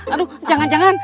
aduh jangan jangan